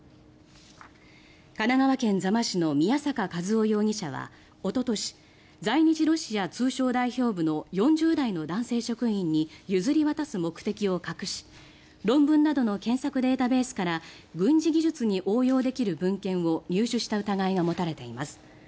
神奈川県座間市の宮坂和雄容疑者はおととし在日ロシア通商代表部の４０代の男性職員に譲り渡す目的を隠し論文などの検索データーベースから軍事技術に応用できる文献を入手した疑いが持たれています。